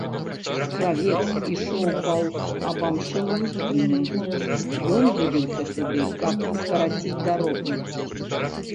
Кравец ішоў паўз абымшэлую пільню, ён выбіўся сюды, каб скараціць дарогу.